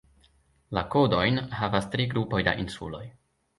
La kodojn havas tri grupoj da insuloj.